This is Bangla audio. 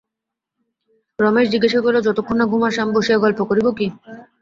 রমেশ জিজ্ঞাসা করিল, যতক্ষণ না ঘুম আসে আমি বসিয়া গল্প করিব কি?